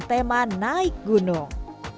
tema naik gunung